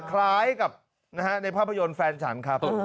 คล้ายกับในภาพยนตร์แฟนฉันครับ